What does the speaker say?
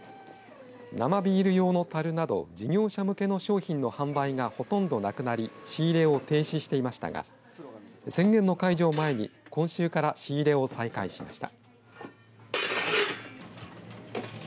生ビール用のたるなど事業者向けの商品の販売がほとんどなくなり仕入れを停止していましたが宣言の解除を前に今週から仕入れを再開しました。